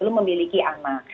untuk memiliki anak